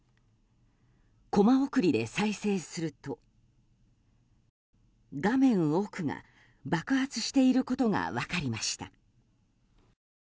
コマ送りで再生すると画面奥が爆発していることが分かりました。